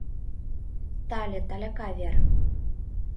Талье — таляка вер.